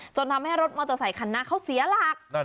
จนทำให้รถมอเตอร์ไซคันหน้าเขาเสียหลัก